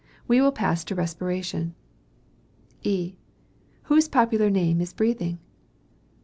We will pass to respiration. E. Whose popular name is breathing?